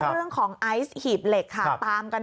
เรื่องของไอซ์หีบเหล็กค่ะตามกัน